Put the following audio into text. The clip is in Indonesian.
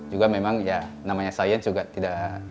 juga memang ya namanya sains juga tidak